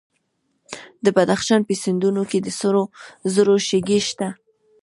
د بدخشان په سیندونو کې د سرو زرو شګې شته.